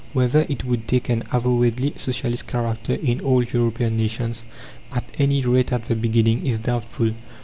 Whether it would take an avowedly socialist character in all European nations, at any rate at the beginning, is doubtful.